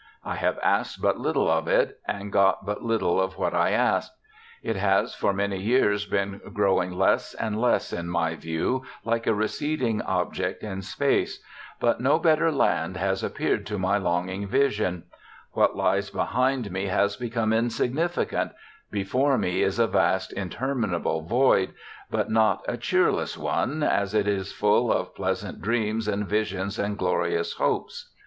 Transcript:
I have asked but little of it, and got but little of what I asked. It has for many years been growing less and less in my view, like a receding object in space ; but no better land has appeared to my longing vision ; what Hes behind me has become insignificant, before me is a vast inter minable void, but not a cheerless one, as it is full of pleasant dreams and visions and glorious hopes.